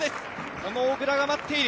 この小椋が待っている。